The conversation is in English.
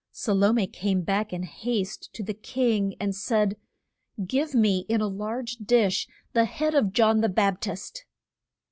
Sa lo me came back in haste to the king, and said, Give me, in a large dish, the head of John the Bap tist.